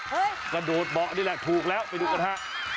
กระโดดเบาะนี่แหละถูกแล้วไปดูกันฮะ